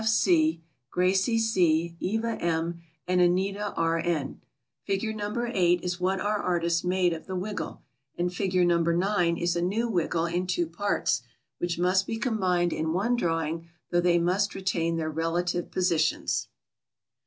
S., C. F. C., Gracie C., Eva M., and Anita R. N. Figure No. 8 is what our artist made of the Wiggle; and Figure No. 9 is a new Wiggle in two parts, which must be combined in one drawing, though they must retain their relative positions.